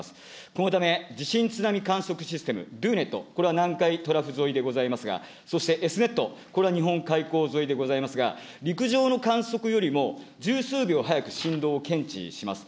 このため、地震・津波観測システムＤｏーｎｅｔ、これは南海トラフ沿いでございますが、そしてＳーｎｅｔ、これは日本海溝沿いでございますが、陸上の観測よりも十数秒早く震動を検知します。